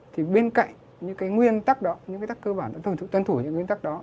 thì bên cạnh những cái nguyên tắc đó những cái tắc cơ bản tân thủ những cái nguyên tắc đó